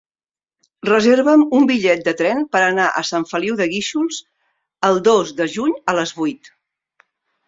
Reserva'm un bitllet de tren per anar a Sant Feliu de Guíxols el dos de juny a les vuit.